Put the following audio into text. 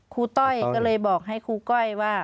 ต้อยก็เลยบอกให้ครูก้อยว่า